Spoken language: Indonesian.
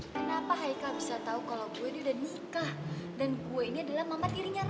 kenapa hai kak bisa tau kalau gue ini udah nikah dan gue ini adalah mamah dirinya reva